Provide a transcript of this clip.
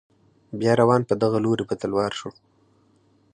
بیا روان په دغه لوري په تلوار شو.